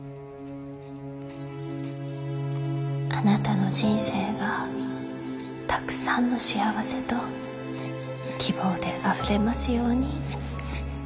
あなたの人生がたくさんの幸せと希望であふれますように。